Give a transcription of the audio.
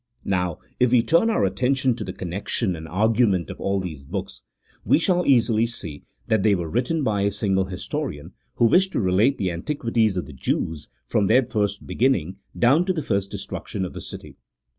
Now, if we turn our attention to the connection and argument of all these books, we shall easily see that they were all written by a single historian, who wished to relate the antiquities of the Jews from their first beginning down to the first destruction of the city.